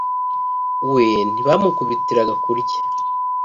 we ntibamukubitiraga kurya